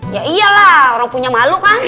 ya iyalah orang punya malu kan